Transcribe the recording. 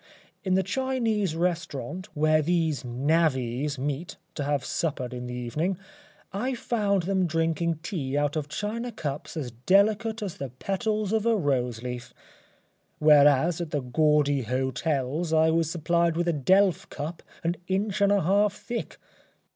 In the Chinese restaurant, where these navvies meet to have supper in the evening, I found them drinking tea out of china cups as delicate as the petals of a rose leaf, whereas at the gaudy hotels I was supplied with a delf cup an inch and a half thick.